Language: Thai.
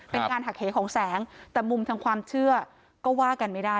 เป็นการหักเหของแสงแต่มุมทางความเชื่อก็ว่ากันไม่ได้